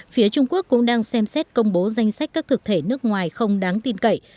phía trung quốc cũng đang xem xét công bố danh sách các thực thể nước ngoài không đáng tin cậy